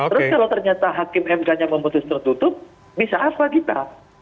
terus kalau ternyata hakim mk nya memutus tertutup bisa apa kita